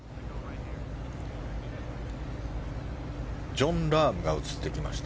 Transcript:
ジョン・ラームが映ってきました。